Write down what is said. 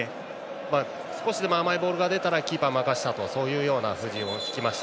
少しでも甘いボールがきたらキーパーに任すという布陣でした。